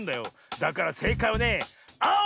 だからせいかいはねあおなのだよ！